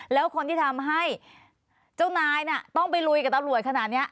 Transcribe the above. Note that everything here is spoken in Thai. แล้วคนที่ทำให้เจ้านายน่ะต้องไปลุยกับตำรวจขนาดนี้